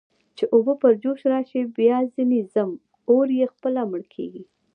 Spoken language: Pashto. چې اوبه پر جوش راشي، بیا ځنې ځم، اور یې خپله مړ کېږي.